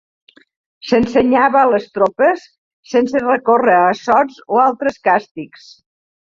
S'ensenyava a les tropes sense recórrer a assots o altres càstigs.